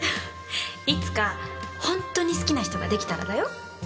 いつか本当に好きな人ができたらだよ。